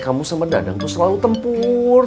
kamu sama dadangku selalu tempur